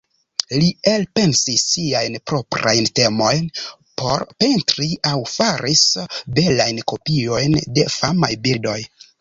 Li elpensis siajn proprajn temojn por pentri aŭ faris belajn kopiojn de famaj bildoj.